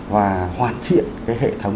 và hoàn thiện cái hệ thống